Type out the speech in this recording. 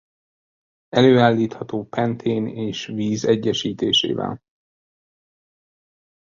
Előállítható pentén és víz egyesítésével.